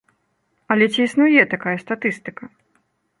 Але ці існуе такая статыстыка?